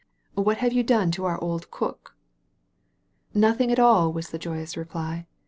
What have you done to our old cook?" "Nothing at all," was the joyous reply.